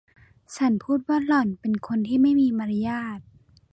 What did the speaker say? ฉันพูดว่าหล่อนเป็นคนที่ไม่มีมารยาท